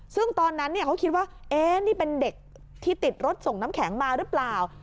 ซึ่งตอนนั้นเขาคิดว่านี่เป็นเด็กที่ติดรถส่งน้ำแข็งมาหรือเปล่า